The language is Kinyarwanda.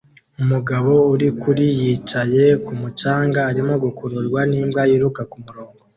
Umugabo uri kuri yicaye kumu canga arimo gukururwa nimbwa yiruka kumurongo